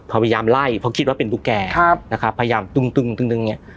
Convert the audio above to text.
พยายามไล่พอคิดว่าเป็นตุ๊กแกพยายามตึ้งตึ้ง